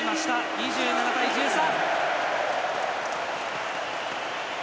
２７対１３！